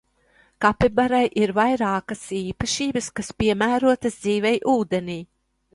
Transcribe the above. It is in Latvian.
Kapibarai ir vairākas īpašības, kas piemērotas dzīvei ūdenī.